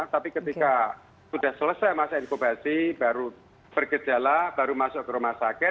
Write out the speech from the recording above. tapi ketika sudah selesai masa inkubasi baru bergejala baru masuk ke rumah sakit